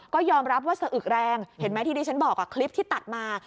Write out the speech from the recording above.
ก็ยอมรับว่าสะอึกแรงเห็นไหมที่ดิฉันบอกคลิปที่ตัดมา